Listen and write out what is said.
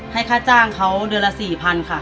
ให้ค่าจ้างเขาเดือนละ๔๐๐๐บาท